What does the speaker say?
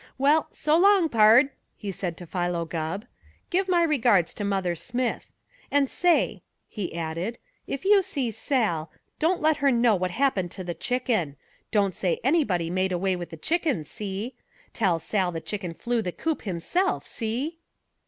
"Well, so 'long, pard," he said to Philo Gubb. "Give my regards to Mother Smith. And say," he added, "if you see Sal, don't let her know what happened to the Chicken. Don't say anybody made away with the Chicken, see? Tell Sal the Chicken flew the coop himself, see?"